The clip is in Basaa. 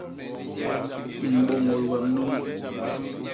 Mbôñôl wem nunu.